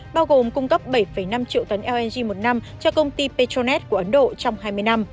bao gồm cung cấp bảy năm triệu tấn lng một năm cho công ty petronet của ấn độ trong hai mươi năm